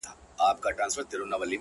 اشنـا په دې چــلو دي وپوهـېدم.